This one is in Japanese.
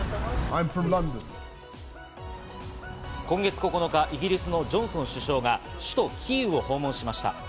今月９日、イギリスのジョンソン首相が首都キーウを訪問しました。